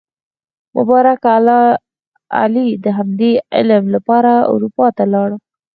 مبارک علي د همدې علم لپاره اروپا ته لاړ.